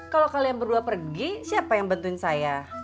kalau kalian berdua pergi siapa yang bantuin saya